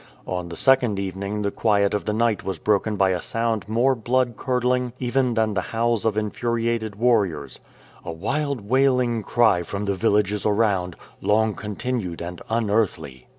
On the second evening the quiet of the night was broken by a sound more blood curdling even than the howls of infuriated warriors — "a wild, wailing cry from the villages around, long continued and unearthly.""